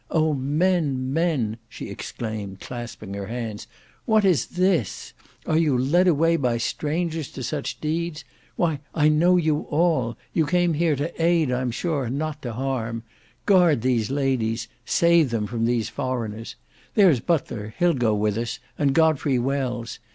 O, men, men!" she exclaimed, clasping her hands. "What is this? Are you led away by strangers to such deeds? Why, I know you all! You came here to aid, I am sure, and not to harm. Guard these ladies; save them from these foreigners! There's Butler, he'll go with us, and Godfrey Wells.